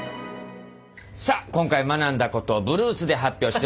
さあ今回学んだことをブルースで発表してもらいましょう。